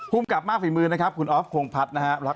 ผู้กลับมากฝีมือนะครับคุณอ๊อฟพงภัษนะฮะ